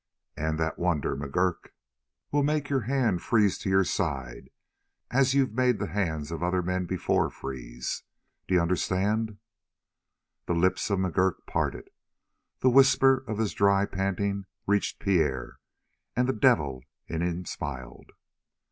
And that wonder, McGurk, will make your hand freeze to your side, as you've made the hands of other men before me freeze. D'you understand?" The lips of McGurk parted. The whisper of his dry panting reached Pierre, and the devil in him smiled.